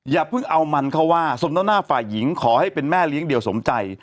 อย่าเพิ่งเอามันเข้าว่าสมต่อหน้าฝ่ายหญิงขอให้เป็นแม่เลี้ยงเดี่ยวสมใจ